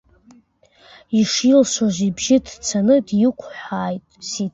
Ишилшоз ибжьы ҭцаны диқәхәааит Сиҭ.